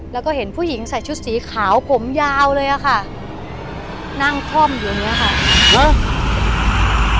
แล้วก็เห็นผู้หญิงใส่ชุดสีขาวผมยาวเลยอะค่ะนั่งคล่อมอยู่อย่างเงี้ยค่ะ